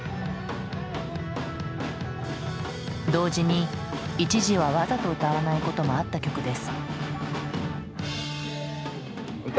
同時に一時はわざと歌わないこともあった曲です。